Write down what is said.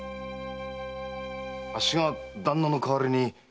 あっしが旦那の代わりに入札に？